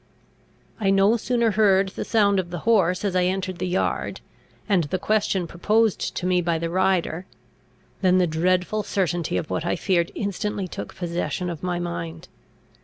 I no sooner heard the sound of the horse as I entered the yard, and the question proposed to me by the rider, than the dreadful certainty of what I feared instantly took possession of my mind.